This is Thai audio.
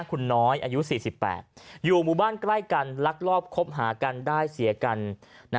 คุณน้อยอายุ๔๘อยู่หมู่บ้านใกล้กันลักลอบคบหากันได้เสียกัน